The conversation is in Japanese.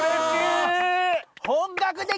本格的。